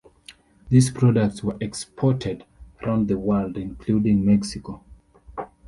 These products were exported around the world, including Mexico.